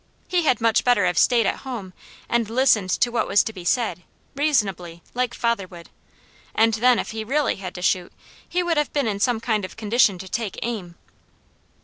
He had much better have stayed at home and listened to what was to be said, reasonably, like father would; and then if he really had to shoot, he would have been in some kind of condition to take aim.